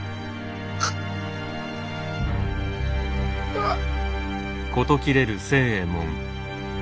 あっ。